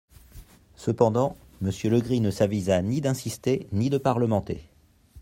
Cependant, Monsieur Legris ne s'avisa ni d'insister ni de parlementer.